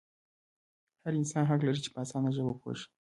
هر انسان حق لري چې په اسانه ژبه پوه شي.